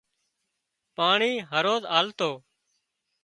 پاڻي هروز آلتو